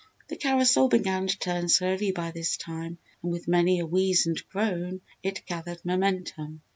The carousel began to turn slowly by this time and with many a wheeze and groan, it gathered momentum.